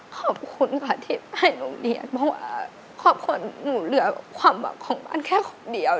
ขอบคุณค่ะที่ให้โรงเรียนเพราะว่าครอบครัวหนูเหลือความหวังของบ้านแค่คนเดียว